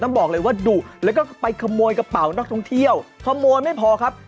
บอกเลยว่าดุแล้วก็ไปขโมยกระเป๋านักท่องเที่ยวขโมยไม่พอครับ